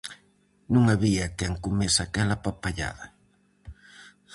Non había quen comese aquela papallada.